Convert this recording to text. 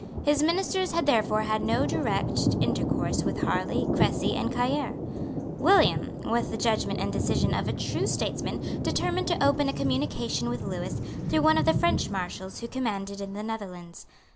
His ministers had therefore had no direct intercourse with Harlay, Crecy and Cailleres. William, with the judgment and decision of a true statesman, determined to open a communication with Lewis through one of the French Marshals who commanded in the Netherlands.